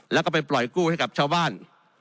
แล้วก็ไปปล่อยกู้ให้กับชาวบ้าน